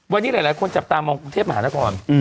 วันนี้หลายคนจับตามองกรุงเทพมหานคร